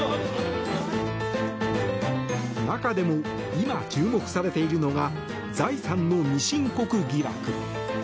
中でも今、注目されているのが財産の未申告疑惑。